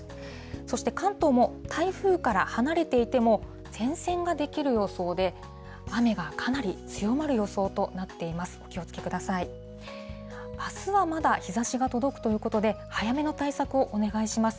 そして、関東も台風から離れていても、前線が出来る予想で、雨がかなり強まる予想となっています。